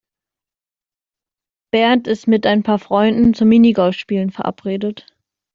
Bernd ist mit ein paar Freunden zum Minigolfspielen verabredet.